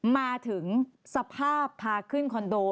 มาถึงสภาพพาขึ้นคอนโด